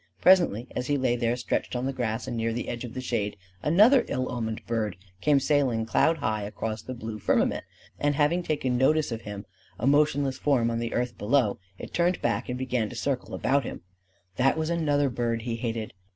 Presently, as he lay there stretched on the grass and near the edge of the shade, another ill omened bird came sailing cloud high across the blue firmament; and having taken notice of him, a motionless form on the earth below, it turned back and began to circle about him. That was another bird he hated.